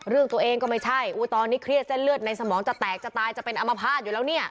เรื่องตัวเองก็ไม่ใช่ตอนนี้เครียดเส้นเลือดในสมองจะแตกจะตายจะเป็นอมภาษณ์อยู่แล้วเนี่ย